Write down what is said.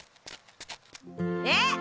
えっ！